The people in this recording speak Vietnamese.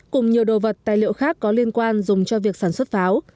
cùng nhiều đồ vật tài liệu khác có liên quan dùng cho việc sản xuất pháo